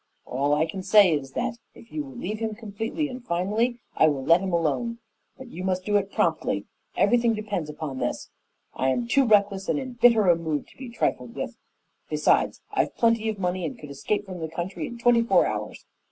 "All I can say is that, if you will leave him completely and finally, I will let him alone. But you must do it promptly. Everything depends upon this. I'm in too reckless and bitter a mood to be trifled with. Besides, I've plenty of money and could escape from the country in twenty four hours.